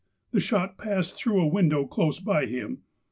The shot passed through a window close by him.